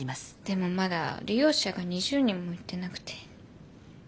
でもまだ利用者が２０人もいってなくて。